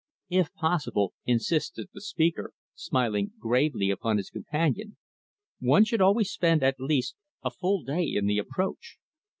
If possible," insisted the speaker, smiling gravely upon his companion, "one should always spend, at least, a full day in the approach.